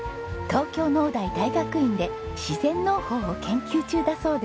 東京農大大学院で自然農法を研究中だそうです。